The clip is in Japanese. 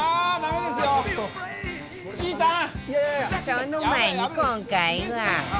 その前に今回は